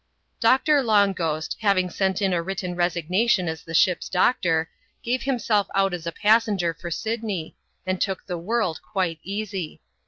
Doctor Long Ghost, having sent in a written resignation as the ship's doctor, gave himself out as a passenger for Sydney, and took the world quite easy.